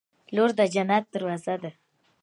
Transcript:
• لور د جنت دروازه ده.